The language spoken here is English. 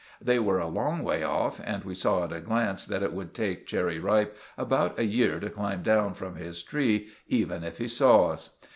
They were a long way off, and we saw at a glance that it would take Cherry Ripe about a year to climb down from his tree, even if he saw us.